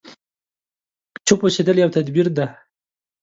چوپ اوسېدل يو تدبير دی.